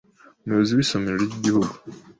umuyobozi w’Isomero ry’igihugu